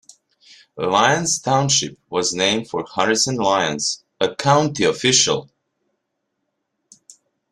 Lyons Township was named for Harrison Lyons, a county official.